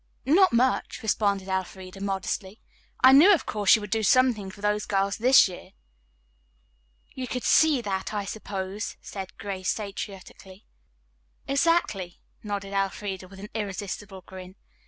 "Not much," responded Elfreda modestly. "I knew, of course, you would do something for those girls this year." "You could see that, I suppose," said Grace satirically. "Exactly," nodded Elfreda with an irresistible grin.